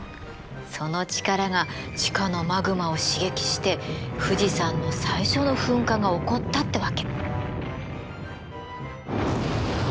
その力が地下のマグマを刺激して富士山の最初の噴火が起こったってわけ。